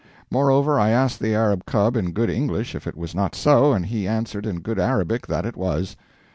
Moreover, I asked the Arab cub in good English if it was not so, and he answered in good Arabic that it was.